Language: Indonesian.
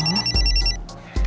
kita kan belum selesai ngomong